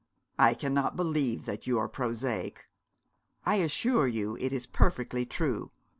'I cannot believe that you are prosaic.' 'I assure you it is perfectly true.